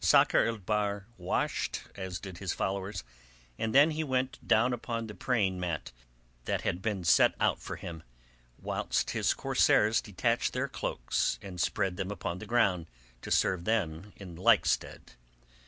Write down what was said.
Sakr el Bahr washed, as did his followers, and then he went down upon the praying mat that had been set for him, whilst his corsairs detached their cloaks and spread them upon the ground to serve them in like stead.